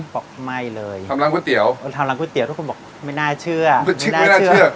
บอกไม่เลยทำร้านก๋วยเตี๋ยวทำร้านก๋วเตี๋ทุกคนบอกไม่น่าเชื่อไม่น่าเชื่อ